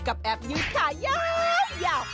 กับแอบยืดขาย้ำ